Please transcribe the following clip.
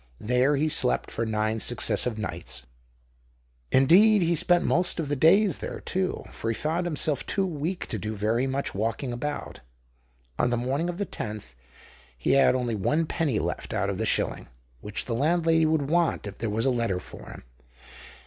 There he slept for nine successive nights ; indeed, he spent most of the days there too, for he found himself too weak to do very much walking about. On the morning of the tenth he had only one penny left out of the shilling, 92 THE OCTAVE OF CLAUDIUS. which the landlady would want if there was a letter for him.